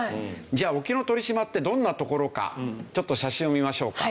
じゃあ沖ノ鳥島ってどんな所かちょっと写真を見ましょうか。